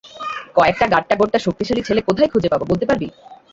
কয়েকটা গাঁট্টাগোট্টা, শক্তিশালী ছেলে কোথায় খুঁজে পাবো, বলতে পারবি?